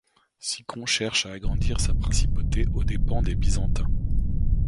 Sicon cherche à agrandir sa principauté aux dépens des Byzantins.